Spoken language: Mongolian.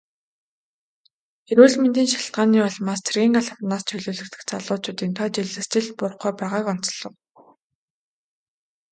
Эрүүл мэндийн шалтгааны улмаас цэргийн албанаас чөлөөлөгдөх залуучуудын тоо жилээс жилд буурахгүй байгааг онцлов.